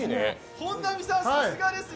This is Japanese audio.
本並さん、さすがですね。